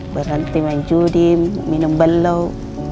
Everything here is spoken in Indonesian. berhenti menjudi minum belok